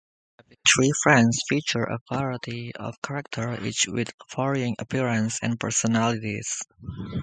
"Happy Tree Friends" features a variety of characters, each with varying appearances and personalities.